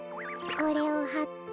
これをはって。